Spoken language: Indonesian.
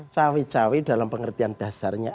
cawe cawe dalam pengertian dasarnya